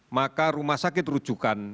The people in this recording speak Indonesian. maka rumah sakit rujukan